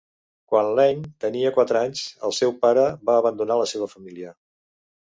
Quan Lane tenia quatre anys el seu pare va abandonar la seva família.